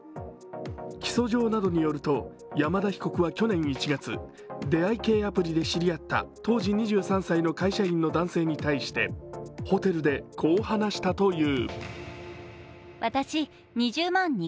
起訴状などによると、山田被告は去年１月、出会い系アプリで知り合った当時２３歳の会社員に対して、ホテルでこう話したという。